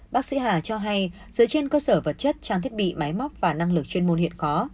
bác sĩ hà cho hay dựa trên cơ sở vật chất trang thiết bị máy móc và năng lực chuyên môn hiện có